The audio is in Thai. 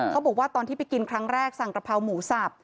เขาบอกว่าตอนที่ไปกินครั้งแรกสั่งกระเพราหมูสับ